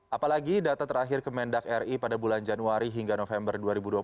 apalagi data terakhir kemendak ri pada bulan januari hingga november dua ribu dua puluh